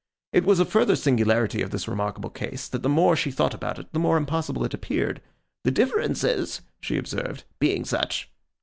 It was a further singularity of this remarkable case, that the more she thought about it, the more impossible it appeared; 'the differences,' she observed, 'being such.